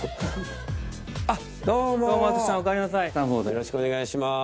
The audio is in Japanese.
よろしくお願いします。